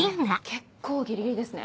結構ギリギリですね。